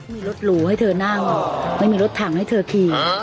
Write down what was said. มีรถหรูให้เธอนั่งไม่มีรถถังให้เธอขี่